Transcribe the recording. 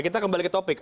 kita kembali ke topik